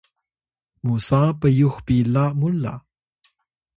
musa pyux pila mu la